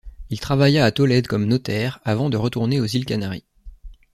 Il travailla à Tolède comme notaire avant de retourner aux Îles Canaries.